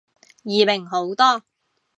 易明好多